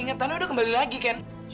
ingatannya udah kembali lagi kan